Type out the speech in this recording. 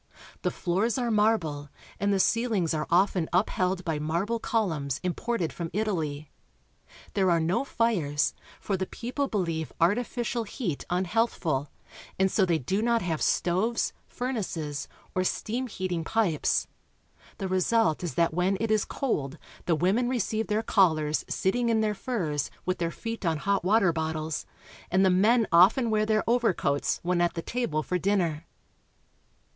The floors are marble, and the ceiHngs are often upheld by marble columns im ported from Italy. There are no fires, for the people MONTEVIDEO. 207 believe artificial heat unhealthful, and so they do not have stoves, furnaces, or steam heating pipes. The result is that when it is cold the women receive their callers sitting in their furs, with their feet on hot water bottles, and the men often wear their overcoats when at the table for dinner.